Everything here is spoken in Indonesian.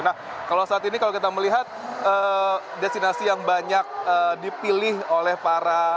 nah kalau saat ini kalau kita melihat destinasi yang banyak dipilih oleh para